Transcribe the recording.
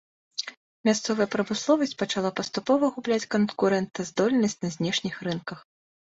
Мясцовая прамысловасць пачала паступова губляць канкурэнтаздольнасць на знешніх рынках.